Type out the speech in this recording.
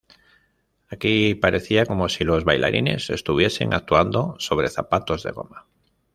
Aquí parecía como si los bailarines estuviesen actuando sobre zapatos de goma.